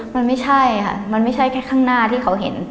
มันไม่ใช่ค่ะมันไม่ใช่แค่ข้างหน้าที่เขาเห็น